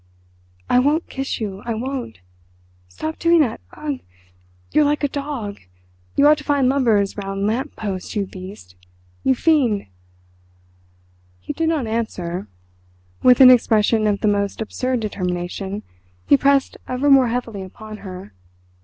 "I won't kiss you. I won't. Stop doing that! Ugh! you're like a dog—you ought to find lovers round lamp posts—you beast—you fiend!" He did not answer. With an expression of the most absurd determination he pressed ever more heavily upon her.